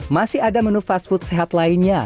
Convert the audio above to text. masih ada menu fast food sehat lainnya